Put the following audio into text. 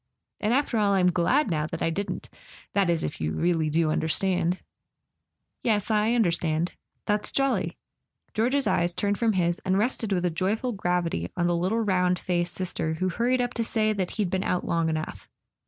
And, after all, I'm glad now that I didn't— that is, if you really do understand." "Yes; I understand." "That's jolly." George's eyes turned from his and rested with a joyful gravity on the little round faced [ 310 ] A SON AT THE FRONT Sister who hurried up to say that he'd been out long enough.